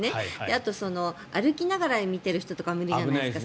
あと、歩きながら見ている人もいるじゃないですか。